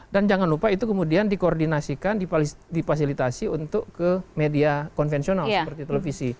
dan jangan lupa itu kemudian dikoordinasikan dipasilitasi untuk ke media konvensional seperti televisi